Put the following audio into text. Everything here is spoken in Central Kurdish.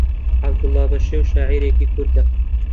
عەبدوڵڵا پەشێو شاعیرێکی کوردە